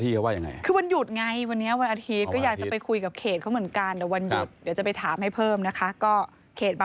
ถ้าเปลี่ยนเป็นป้ายบอกทางดีกว่าครับผมว่ารถเมล์สายนี้ไปไหนครับ